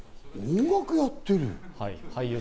音楽をやってる？